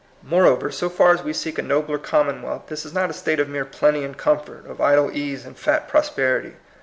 Moreover, so far as we seek a nobler commonwealth, this is not a state of mere plenty and comfort, of idle ease and fat prosperity.